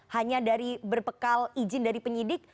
hanya dari berpekal izin dari penyidik